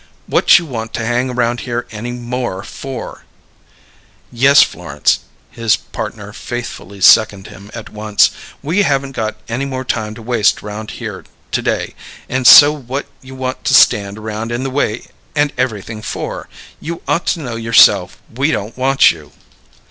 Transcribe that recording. What you want to hang around here any more for?" "Yes, Florence," his partner faithfully seconded him, at once. "We haven't got any more time to waste around here to day, and so what you want to stand around in the way and everything for? You ought to know yourself we don't want you."